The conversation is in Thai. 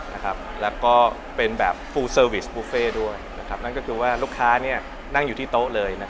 แล้วก็เป็นแบบฟูเซอร์วิสบุฟเฟ่ด้วยนั่นก็คือว่าลูกค้านั่งอยู่ที่โต๊ะเลย